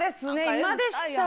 今でしたら。